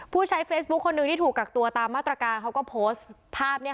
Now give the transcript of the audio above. ผู้ใช้เฟซบุ๊คคนหนึ่งที่ถูกกักตัวตามมาตรการเขาก็โพสต์ภาพเนี่ย